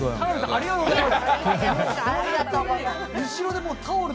ありがとうございます。